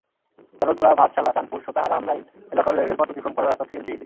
জারুলতলা, ভাতশালা, চানপুর, সোতাহা, রামরাইল এলাকার রেলপথ অতিক্রম করা রাস্তাটি এলজিইডির।